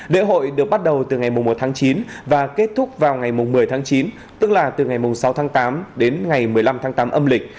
lễ hội được bắt đầu từ ngày một tháng chín và kết thúc vào ngày một mươi tháng chín tức là từ ngày sáu tháng tám đến ngày một mươi năm tháng tám âm lịch